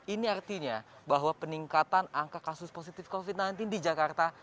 ini artinya bahwa peningkatan angka kasus positif covid sembilan belas di jakarta